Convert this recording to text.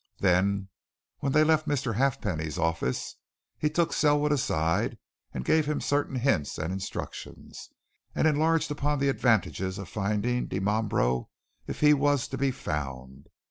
Then, when they left Mr. Halfpenny's office he took Selwood aside and gave him certain hints and instructions, and enlarged upon the advantages of finding Dimambro if he was to be found.